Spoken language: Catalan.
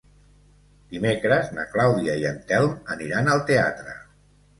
Dimecres na Clàudia i en Telm aniran al teatre.